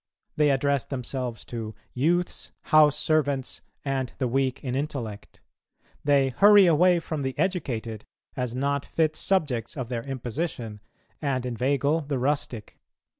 They address themselves to "youths, house servants, and the weak in intellect." They "hurry away from the educated, as not fit subjects of their imposition, and inveigle the rustic."